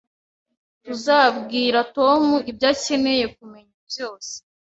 Tuzabwira Tom ibyo akeneye kumenya byose